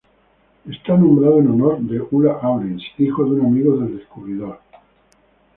Está nombrado en honor de Ulla Ahrens, hija de un amigo del descubridor.